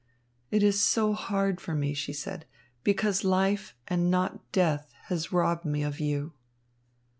"It is so hard for me," she said, "because life and not death has robbed me of you."